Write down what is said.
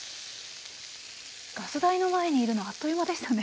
ガス台の前にいるのあっという間でしたね。